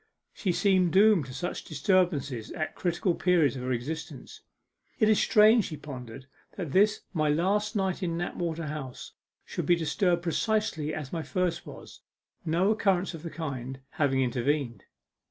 She seemed doomed to such disturbances at critical periods of her existence. 'It is strange,' she pondered, 'that this my last night in Knapwater House should be disturbed precisely as my first was, no occurrence of the kind having intervened.